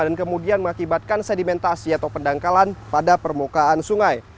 dan kemudian mengakibatkan sedimentasi atau pendangkalan pada permukaan sungai